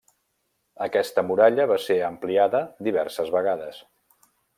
Aquesta muralla va ser ampliada diverses vegades.